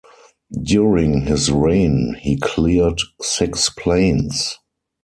During his reign he cleared six plains.